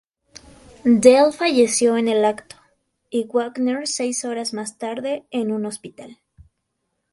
Dell falleció en el acto, y Wagner seis horas más tarde, en un hospital.